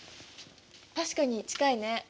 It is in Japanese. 確かに近いね。